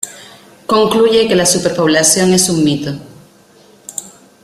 Concluye que la superpoblación es un mito.